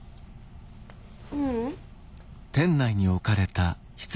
ううん。